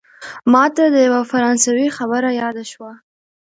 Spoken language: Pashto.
ماته د یوه فرانسوي خبره یاده شوه.